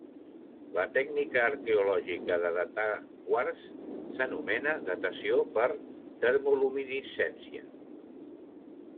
La tècnica arqueològica de datar quars s'anomena datació per termoluminescència.